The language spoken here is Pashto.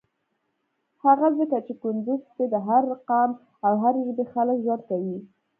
هغه ځکه چی کندوز کی د هر قام او هری ژبی خلک ژوند کویی.